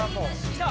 「きた！